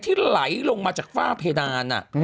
ไหลลงมาจากฝ้าเพดาน